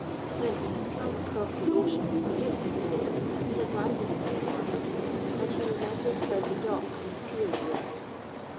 When he had come across the ocean with the Gypsy folk he had landed in New York, and he remembered how the docks and piers looked.